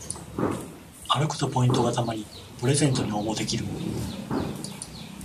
歩くとポイントがたまりプレゼントに応募できる